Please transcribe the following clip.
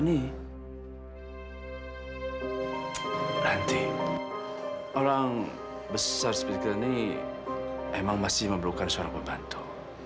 ini nanti orang besar seperti kita ini emang masih memerlukan seorang pembantu